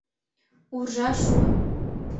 Уржа шуын...